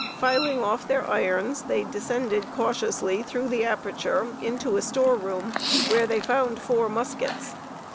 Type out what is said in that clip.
Filing off their irons, they descended cautiously through the aperture into a store room, where they found four muskets.